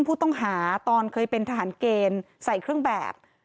ผู้ต้องหาตอนเคยเป็นทหารเกณฑ์ใส่เครื่องแบบ